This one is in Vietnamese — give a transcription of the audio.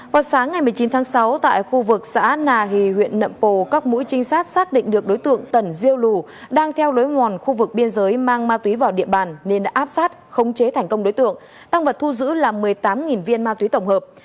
vào sáng ngày một mươi chín tháng sáu tại khu vực xã nà hì huyện nậm pồ các mũi trinh sát xác định được đối tượng tẩn diêu lù đang theo lối mòn khu vực biên giới mang ma túy vào địa bàn nên áp sát khống chế thành công đối tượng tăng vật thu giữ là một mươi tám viên ma túy tổng hợp